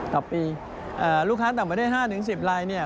ต่อปีลูกค้าต่างประเทศ๕๑๐ลายเนี่ย